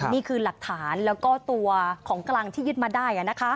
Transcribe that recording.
นี่คือหลักฐานแล้วก็ตัวของกลางที่ยึดมาได้